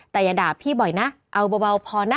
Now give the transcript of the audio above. แต่อย่าด่าพี่บ่อยนะเอาเบาพอนะ